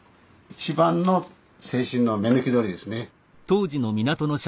一番の清津の目抜き通りですね。